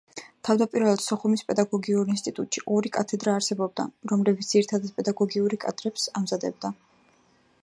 თავდაპირველად, სოხუმის პედაგოგიურ ინსტიტუტში ორი კათედრა არსებობდა, რომლებიც, ძირითადად, პედაგოგიური კადრებს ამზადებდა.